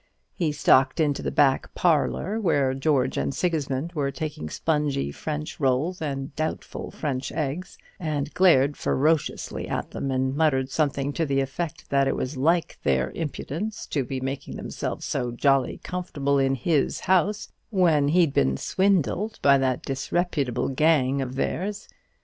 He stalked into the back parlour, where George and Sigismumd were taking spongy French rolls and doubtful French eggs, and glared ferociously at them, and muttered something to the effect that it was like their impudence to be making themselves so "jolly comfortable" in his house when he'd been swindled by that disreputable gang of theirs.